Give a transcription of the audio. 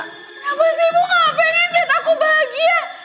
kenapa sih ibu gak pengen lihat aku bahagia